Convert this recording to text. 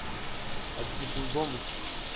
Аӡәгьы дылбомызт.